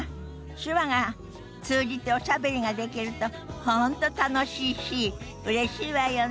手話が通じておしゃべりができると本当楽しいしうれしいわよね。